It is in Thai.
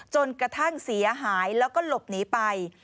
จนกระทั่งเสียหายแล้วก็หลบหนีไป